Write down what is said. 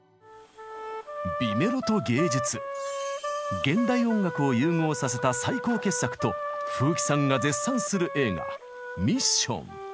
「美メロと芸術現代音楽を融合させた最高傑作」と富貴さんが絶賛する映画「ミッション」。